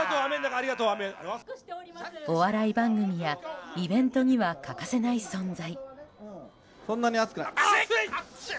お笑い番組やイベントには欠かせない存在。